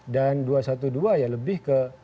dan dua ratus dua belas ya lebih ke